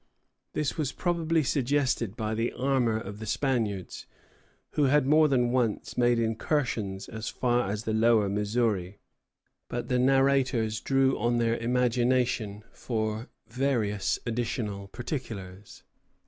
This was probably suggested by the armor of the Spaniards, who had more than once made incursions as far as the lower Missouri; but the narrators drew on their imagination for various additional particulars.